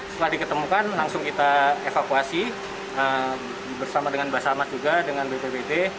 setelah diketemukan langsung kita evakuasi bersama dengan basarnas juga dengan bpbt